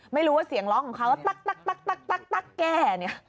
ไม่รู้ว่าเสียงเล่าของเขาต๊ะแก่